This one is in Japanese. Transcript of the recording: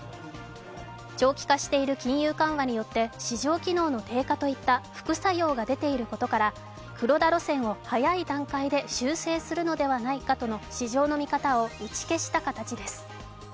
長期化している金融緩和によって市場機能の低下といった副作用が出ていることから、黒田路線を早い段階で修正するのではないかとの市場の見方を打ち消した形です。